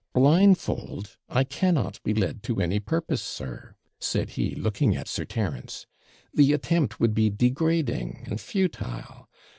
Blindfold, I cannot be led to any purpose, sir,' said he, looking at Sir Terence; 'the attempt would be degrading and futile.